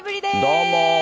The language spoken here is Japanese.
どうも。